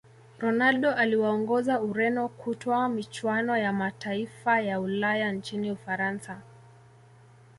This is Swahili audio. ronaldo aliwaongoza Ureno kutwaa michuano ya mataifaya ulaya nchini Ufaransa